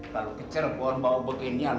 kalau kecil kan bawa beginian